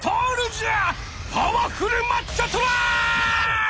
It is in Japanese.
パワフルマッチョトライ！